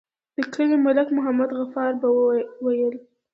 د کلي ملک محمد غفار به ويل.